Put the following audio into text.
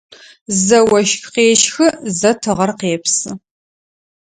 Зэ ощх къещхы, зэ тыгъэр къепсы.